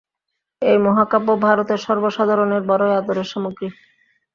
এই মহাকাব্য ভারতে সর্বসাধারণের বড়ই আদরের সামগ্রী।